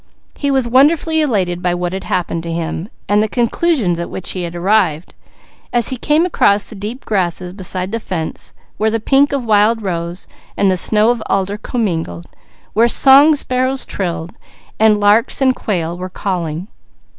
He was wonderfully elated by what had happened to him and the conclusions at which he had arrived, as he came across the deep grasses beside the fence where the pink of wild rose and the snow of alder commingled, where song sparrows trilled, and larks and quail were calling.